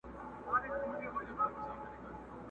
پر لویانو کشرانو باندي گران وو!